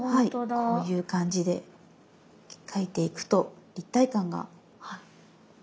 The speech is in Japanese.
こういう感じで描いていくと立体感が出ます。